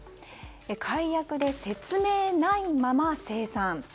解約で説明ないまま精算。